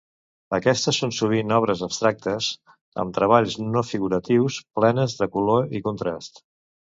Aquestes són sovint obres abstractes, amb treballs no figuratius, plenes de color i contrast.